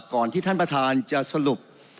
ที่ท่านประธานจะสรุป